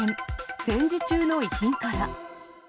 戦時中の遺品から。